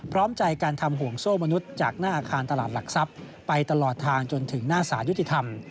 พร้อมใจการทำห่วงโซ่มนุษย์จากหน้าอาคารตลาดหลักทรัพย์ไปตลอดทางจนถึงหน้าสารยุติธรรม